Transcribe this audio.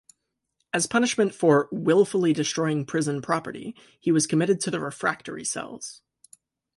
As punishment for "willfully destroying Prison property", he was committed to the Refractory cells.